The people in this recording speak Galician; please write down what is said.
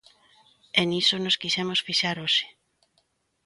E niso nos quixemos fixar hoxe.